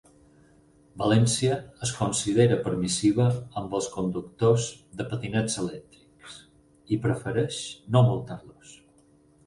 València es considera permissiva amb els conductors de patinets elèctrics i prefereix no multar-los